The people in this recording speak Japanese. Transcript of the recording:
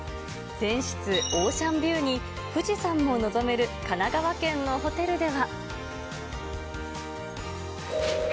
全室オーシャンビューに富士山も望める神奈川県のホテルでは。